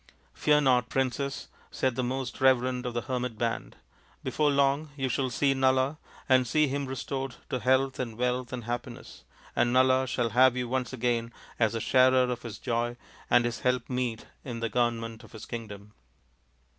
" Fear not, princess," said the most reverend of that hermit band. " Before long you shall see Nala, and see him restored to health and wealth and happiness, and Nala shall have you once again as NALA THE GAMESTER 133 the sharer of his joy and his helpmeet in the government of his kingdom."